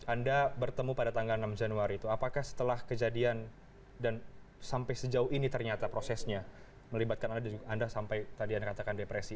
anda bertemu pada tanggal enam januari itu apakah setelah kejadian dan sampai sejauh ini ternyata prosesnya melibatkan anda sampai tadi anda katakan depresi